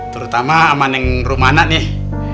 terutama sama rumah anak nih